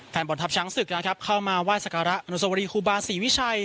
แฟนบอลทัพช้างสึกนะครับเข้ามาไหว้สการะอันตรวรีคูบาสี่วิชัย